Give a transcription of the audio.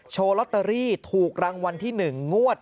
โชว์ลอตเตอรี่ถูกรางวัลที่๑งวด